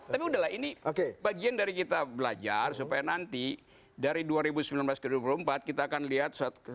tapi udahlah ini bagian dari kita belajar supaya nanti dari dua ribu sembilan belas ke dua puluh empat kita akan lihat